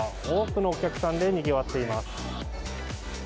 多くのお客さんでにぎわっています。